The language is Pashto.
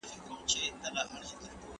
تور ته خپل دوستان وړي